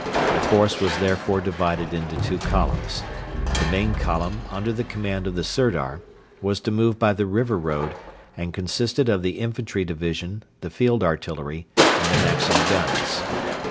The force was therefore divided into two columns. The main column, under command of the Sirdar, was to move by the river road, and consisted of the infantry division, the Field Artillery, and the Maxim guns.